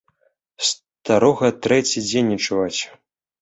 Старога трэці дзень не чуваць!